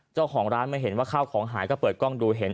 เจ้าของร้านมาเห็นว่าข้าวของหายก็เปิดกล้องดูเห็น